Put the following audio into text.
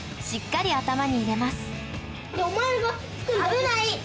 しっかり頭に入れます危ない！